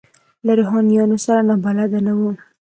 له روحانیونو سره نابلده نه وو.